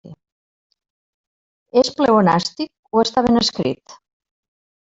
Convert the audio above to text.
És pleonàstic o està ben escrit?